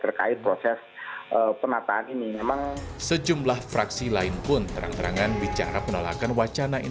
terkait penataan tanah abang ini memang kan selalu disampaikan oleh pak anis